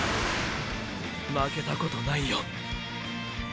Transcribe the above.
負けたことないよ！！